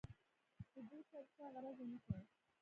له دوی سره چا غرض ونه کړ.